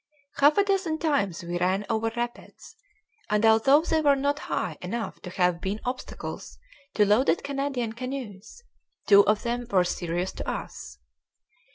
Half a dozen times we ran over rapids, and, although they were not high enough to have been obstacles to loaded Canadian canoes, two of them were serious to us.